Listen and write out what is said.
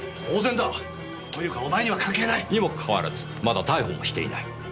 当然だ。というかお前には関係ない。にもかかわらずまだ逮捕もしていない。